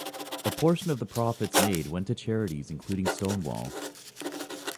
A portion of the profits made went to charities including Stonewall.